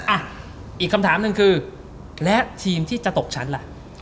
อ่ะอีกคำถามหนึ่งคือและทีมที่จะตกชั้นล่ะ